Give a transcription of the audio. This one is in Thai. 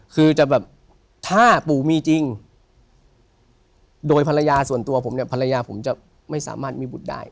คือจะแบบถ้าปู่มีจริงโดยภรรยาส่วนตัวผมเนี่ยภรรยาผมจะไม่สามารถมีบุตรได้